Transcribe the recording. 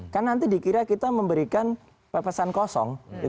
kan nanti dikira kita memberikan pesan kosong